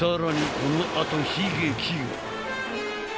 このあと悲劇が！